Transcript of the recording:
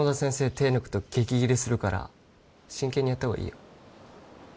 手抜くと激ギレするから真剣にやった方がいいよ